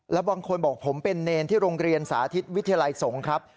แล้วบางคนบอกผมเป็นเนรที่โรงเรียนสาธิตวิทยาลัยสงฆ์ครับ